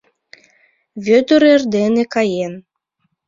Вӧдыр эрдене каен.